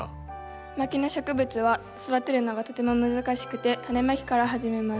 牧野植物は育てるのがとても難しくてタネまきから始めます。